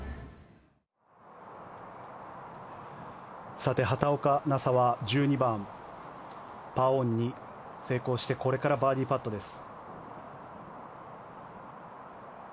さて、畑岡奈紗は１２番パーオンに成功してこれからバーディーパットです。